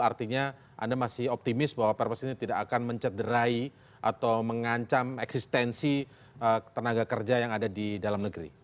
artinya anda masih optimis bahwa perpres ini tidak akan mencederai atau mengancam eksistensi tenaga kerja yang ada di dalam negeri